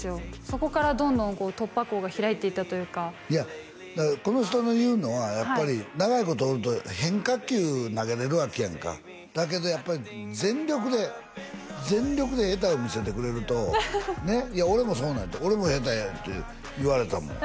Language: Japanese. そこからどんどん突破口が開いていったというかだからこの人の言うのはやっぱり長いことおると変化球投げれるわけやんかだけどやっぱり全力で全力で下手を見せてくれるとねっいや俺もそうなんやて俺も下手やって言われたもん